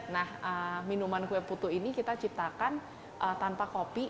nah minuman kue putu ini kita ciptakan tanpa kopi